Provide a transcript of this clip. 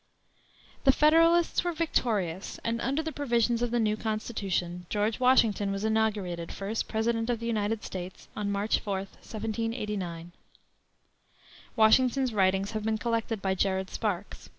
The Federalists were victorious, and under the provisions of the new Constitution George Washington was inaugurated first President of the United States, on March 4, 1789. Washington's writings have been collected by Jared Sparks.